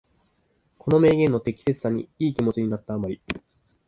この名言の適切さにいい気持ちになった余り、